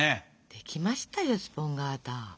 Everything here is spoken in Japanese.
できましたよスポンガータ。